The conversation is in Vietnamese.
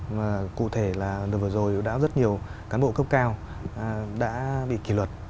và cụ thể là lần vừa rồi đã rất nhiều cán bộ cấp cao đã bị kỷ luật